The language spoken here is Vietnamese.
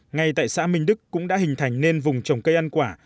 ngay tại xã minh đức cũng đã hình thành nên vùng trồng cây ăn quả